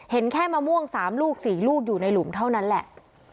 เห็นแค่มะม่วง๓ลูก๔ลูกอยู่ในหลุมเท่านั้นแหละ